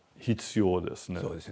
そうですね。